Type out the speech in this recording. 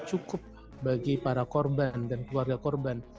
cukup bagi para korban dan keluarga korban